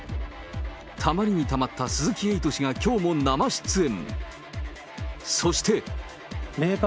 たまりにたまった鈴木エイト氏がきょうも生出演。